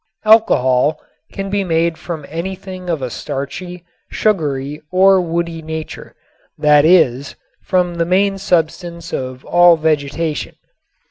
Alcohol can be made from anything of a starchy, sugary or woody nature, that is, from the main substance of all vegetation.